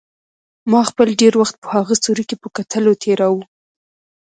ما خپل ډېر وخت په هغه سوري کې په کتلو تېراوه.